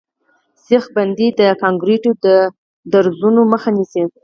سیخ بندي د کانکریټو د درزونو مخه نیسي